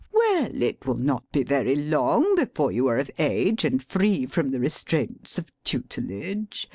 Well, it will not be very long before you are of age and free from the restraints of tutelage.